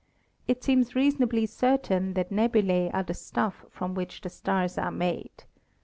It seems reason ably certain that nebulae are the stuff from which the stars are made.